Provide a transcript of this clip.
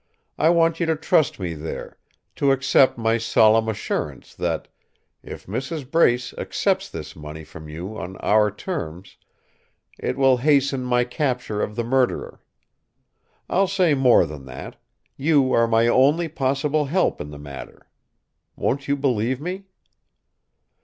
"I want you to trust me there, to accept my solemn assurance that, if Mrs. Brace accepts this money from you on our terms, it will hasten my capture of the murderer. I'll say more than that: you are my only possible help in the matter. Won't you believe me?"